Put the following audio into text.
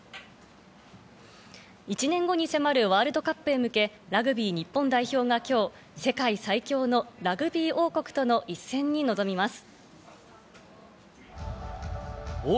１年後に迫るワールドカップへ向け、ラグビー日本代表が今日、世界最強のラグビー王国との一戦に臨みます。